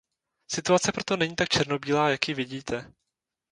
Situace proto není tak černobílá, jak ji vidíte.